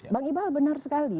bang ibal benar sekali